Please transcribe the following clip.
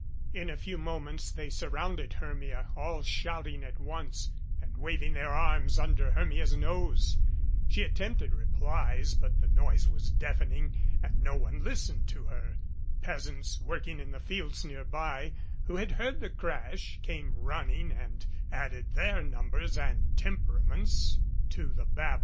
In a few moments they surrounded Hermia, all shouting at once, and waving their arms under Hermia's nose. She attempted replies, but the noise was deafening and no 104 THE GATES OF CHANCE one listened to her. Peasants working in the fields nearby who had heard the crash came running and added their numbers and temperaments to the Babel.